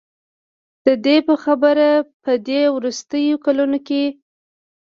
د دې په خبره په دې وروستیو کلونو کې